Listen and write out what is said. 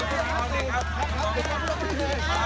ขอบคุณค่ะ